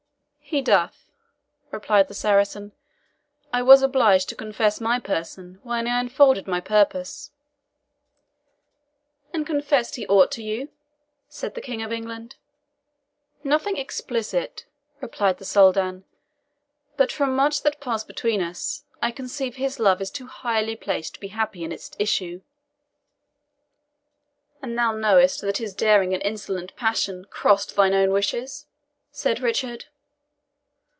"He doth," replied the Saracen. "I was obliged to confess my person when I unfolded my purpose." "And confessed he aught to you?" said the King of England. "Nothing explicit," replied the Soldan; "but from much that passed between us, I conceive his love is too highly placed to be happy in its issue." "And thou knowest that his daring and insolent passion crossed thine own wishes?" said Richard.